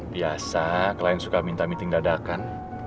biasa klien suka minta meeting dadakan